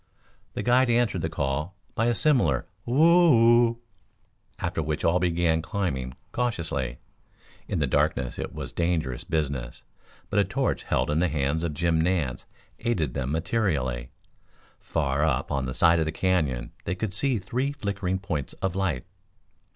The guide answered the call by a similar "whoo oo," after which all began climbing cautiously. In the darkness it was dangerous business, but a torch held in the hands of Jim Nance aided them materially. Far up on the side of the Canyon they could see three flickering points of light.